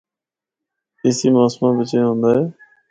اِسّی موسماں بچ اے ہوندا اے۔